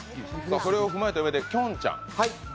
それを踏まえたうえで、きょんちゃん。